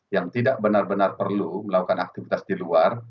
yang tidak benar benar perlu melakukan aktivitas di luar